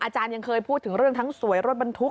อาจารย์ยังเคยพูดถึงเรื่องทั้งสวยรถบรรทุก